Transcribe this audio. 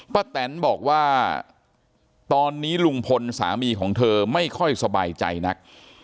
แตนบอกว่าตอนนี้ลุงพลสามีของเธอไม่ค่อยสบายใจนัก